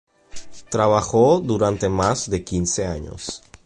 Trabajó durante más de quince años.